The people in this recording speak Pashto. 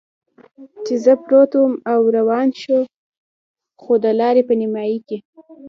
چې زه پروت ووم را روان شو، خو د لارې په نیمایي کې.